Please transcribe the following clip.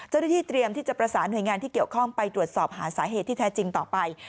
เจ้าหน้าที่เตรียมที่จะประสานหน่วยงานที่เกี่ยวข้องไปตรวจสอบหาสาเหตุที่แท้จริงต่อไป